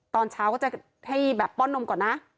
ตอนเช้าก็จะให้แบบป้อนนมก่อนนะ